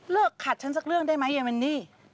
เลิกขัดฉันสักเรื่องได้ไหมเยี่ยมันนี่